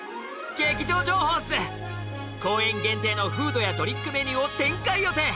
公演限定のフードやドリンクメニューを展開予定